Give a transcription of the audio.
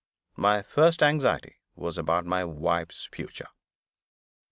My first anxiety was about my wife's future.